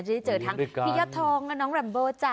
จะได้เจอทั้งพี่ยอดทองน้องลัมโบ่จ้า